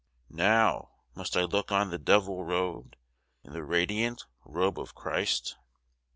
Now, must I look on the Devil robed In the radiant Robe of Christ?